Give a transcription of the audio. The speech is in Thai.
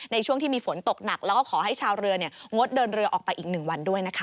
ในช่วงที่มีฝนตกหนักแล้วก็ขอให้ชาวเรืองดเดินเรือออกไปอีก๑วันด้วยนะคะ